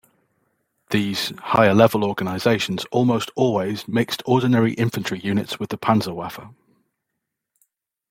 These higher-level organizations almost always mixed ordinary infantry units with the "Panzerwaffe".